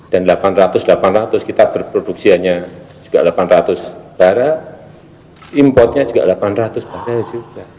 dan delapan ratus delapan ratus kita berproduksiannya juga delapan ratus barat importnya juga delapan ratus barat juga